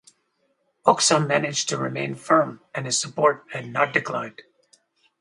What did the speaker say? Hoxha managed to remain firm and his support had not declined.